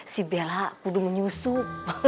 si bella kudu menyusup